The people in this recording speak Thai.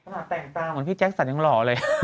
แต่งตาเหมือนพี่แจ็คสันยังหล่อเลย